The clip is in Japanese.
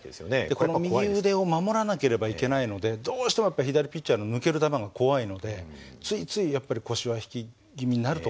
この右腕を守らなければいけないのでどうしても左ピッチャーの抜ける球が怖いのでついついやっぱり腰は引き気味になると思うんですよ。